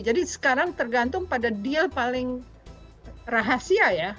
jadi sekarang tergantung pada deal paling rahasia ya